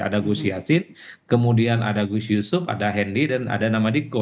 ada gus yassin kemudian ada gus yusuf ada hendy dan ada nama diko